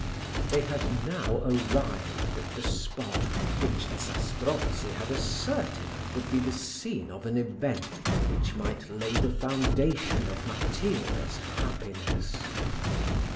They now had arrived at the spot which Zastrozzi had asserted would be the scene of an event which might lay the foundation of Matilda's happiness.